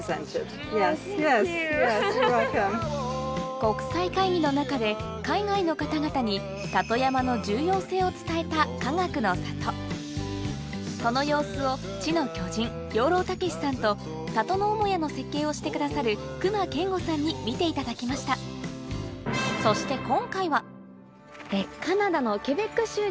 国際会議の中で海外の方々に里山の重要性を伝えたかがくの里その様子を知の巨人養老孟司さんと里の母屋の設計をしてくださる隈研吾さんに見ていただきましたそしてお！